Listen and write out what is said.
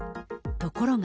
ところが。